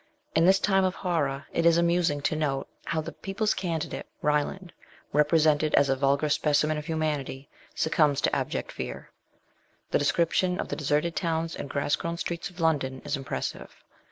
In this time of horror it is amusing to note how the people's can didate, Ryland, represented as a vulgar specimen of humanity, succumbs to abject fear. The description of the deserted towns and grass grown streets of London is impressive.